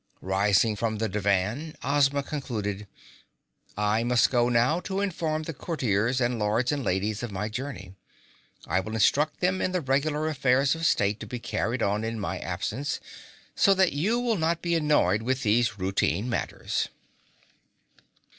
Rising from the divan, Ozma concluded: "I must go now to inform the Courtiers and Lords and Ladies of my journey. I will instruct them in the regular affairs of state to be carried on in my absence, so that you will not be annoyed with these routine matters."